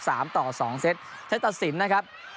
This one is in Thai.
๓๒เซตเซตตัดสินนะครับ